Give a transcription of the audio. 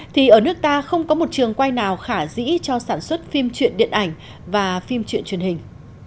thì ở nước ta không có một trường quay nào khả dĩ cho sản xuất phim truyện điện ảnh và phim truyện truyền hình